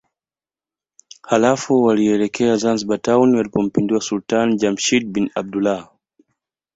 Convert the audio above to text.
Halafu walielekea Zanzibar Town walipompindua Sultani Jamshid bin Abdullah